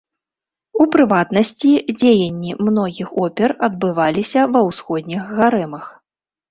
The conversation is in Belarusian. У прыватнасці, дзеянні многіх опер адбывалі ва ўсходніх гарэмах.